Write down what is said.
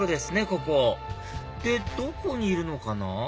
ここでどこにいるのかな？